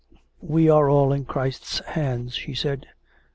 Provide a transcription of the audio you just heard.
we are all in Christ's hands^" she said.